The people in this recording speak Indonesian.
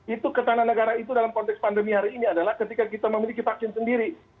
itu ketahanan negara itu dalam konteks pandemi hari ini adalah ketika kita memiliki vaksin sendiri